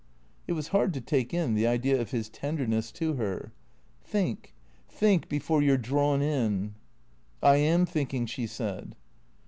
It was hard to take in, the idea of his tenderness to her. " Think — think, before you 're drawn in." " I am thinking," she said.